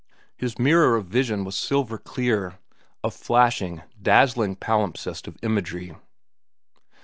His mirror of vision was silver clear, a flashing, dazzling palimpsest of imagery.